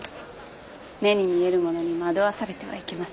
目に見えるものに惑わされてはいけません。